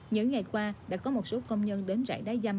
những ngày qua đã có một số công nhân đến rạng đá dâm